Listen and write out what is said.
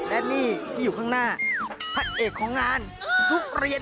และนี่ที่อยู่ข้างหน้าพระเอกของงานทุกเรียน